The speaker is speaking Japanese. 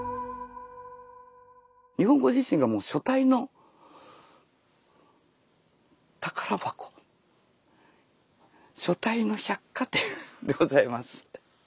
日本語自身がもう書体の百貨店でございます。